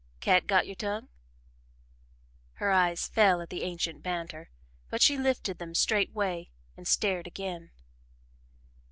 "Cat got your tongue?" Her eyes fell at the ancient banter, but she lifted them straightway and stared again.